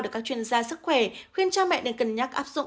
được các chuyên gia sức khỏe khuyên cha mẹ nên cân nhắc áp dụng